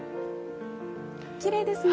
きれいですね。